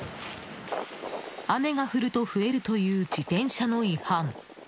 雨が降ると増えるという自転車の違反。